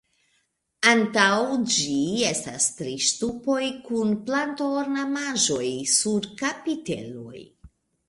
Antaŭ ĝi estas tri ŝtupoj kun planto-ornamaĵoj sur kapiteloj.